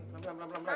pelan pelan pelan